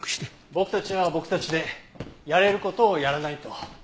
僕たちは僕たちでやれる事をやらないと。